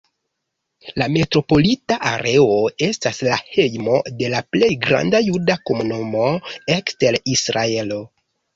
La metropolita areo estas la hejmo de la plej granda juda komunumo ekster Israelo.